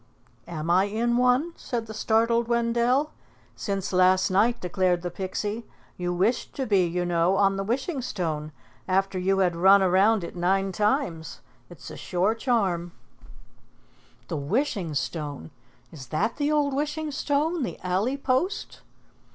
"Am I in one?" said the startled Wendell. "Since last night," declared the Pixie. "You wished to be, you know, on the Wishing Stone, after you had run around it nine times. It's a sure charm." "The Wishing Stone! Is that the old Wishing Stone the alley post?"